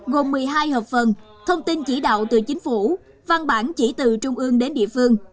gồm một mươi hai hợp phần thông tin chỉ đạo từ chính phủ văn bản chỉ từ trung ương đến địa phương